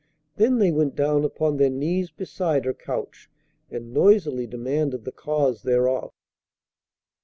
Then they went down upon their knees beside her couch, and noisily demanded the cause thereof.